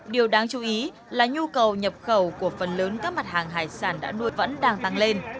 điều đáng chú ý là nhu cầu nhập khẩu của phần lớn các mặt hàng hải sản đã nuôi vẫn đang tăng lên